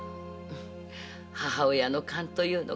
母親の勘というのかしら。